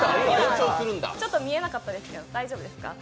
ちょっと見えなかったですが、大丈夫ですか？